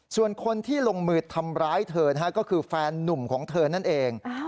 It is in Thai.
ส่วนคนที่ลงมือทำร้ายเธอก็คือแฟนนุ่มของเธอนั่นเอง